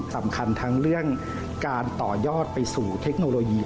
สำคัญทั้งเรื่องการต่อยอดไปสู่เทคโนโลยี